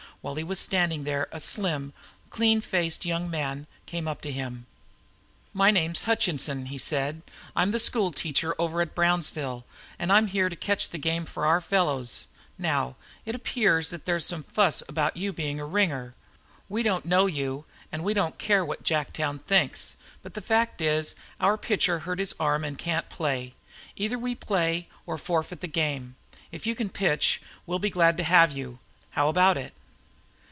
While he was standing there a slim, clean faced young man came up to him. "My name's Hutchinson," he said. "I'm the school teacher over at Brownsville, and I'm here to catch the game for our fellows. Now, it appears there's some fuss about you being a ringer. We don't know you, and we don't care what Jacktown thinks. But the fact is, our pitcher hurt his arm and can't play. Either we play or forfeit the game. If you can pitch we'll be glad to have you. How about it?"